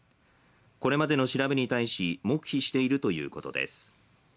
これまでの調べに対し黙秘しているということです。